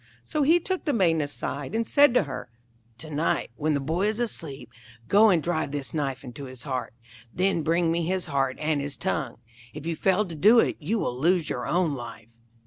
So he took the Maiden aside, and said to her, 'To night, when the boy is asleep, go and drive this knife into his heart. Then bring me his heart and his tongue. If you fail to do it, you will lose your own life.'